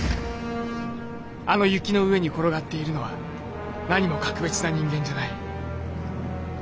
あの雪の上に転がっているのはなにも格別な人間じゃない。